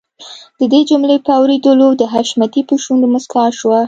د دې جملې په اورېدلو د حشمتي په شونډو مسکا شوه.